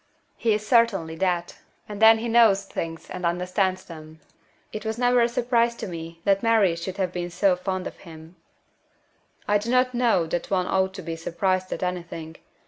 "He is certainly that. And then he knows things and understands them. It was never a surprise to me that Mary should have been so fond of him." "I do not know that one ought to be surprised at anything.